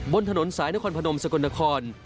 บนถนนสายนครพนมสกลนคร